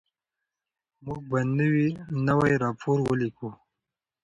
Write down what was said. موږ به نوی راپور ولیکو.